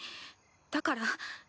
だから。